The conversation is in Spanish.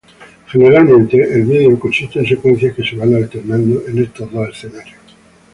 Generalmente, el video consiste en secuencias que se van alternando en estos dos escenarios.